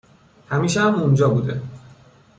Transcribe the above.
همیشه هم اونجا بوده